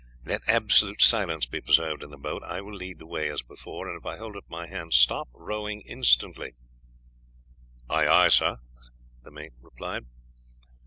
Let absolute silence be preserved in the boat. I will lead the way as before, and if I hold up my hand stop rowing instantly." "Aye, aye, sir!" the mate replied.